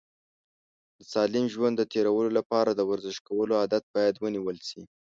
د سالم ژوند د تېرولو لپاره د ورزش کولو عادت باید ونیول شي.